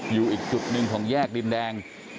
อยู่อีกจุดหนึ่งของแยกดินแดง